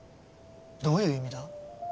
どういう意味だ？